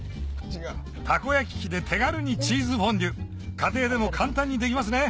たこ焼き器で手軽にチーズフォンデュ家庭でも簡単にできますね